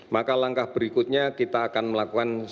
maka langkah berikutnya kita akan melakukan self isolated